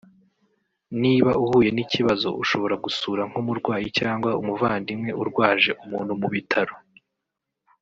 niba uhuye n’ikibazo ushobora gusura nk’umurwayi cyangwa umuvandimwe urwaje umuntu mu bitaro